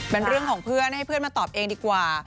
เป็นเรื่องของเพื่อนให้เพื่อนมาตอบเองดีกว่า